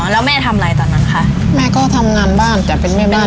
แล้วแม่ทำอะไรตอนนั้นคะแม่ก็ทำงานบ้านแต่เป็นแม่บ้าน